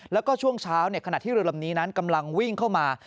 แล้วก็ช่วงเช้าขณะที่เรือลำนี้นั้นกำลังวิ่งเข้ามา